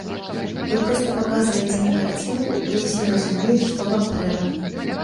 Вы проста паказваеце на карцінку, ды ўсе разумеюць, што вам трэба.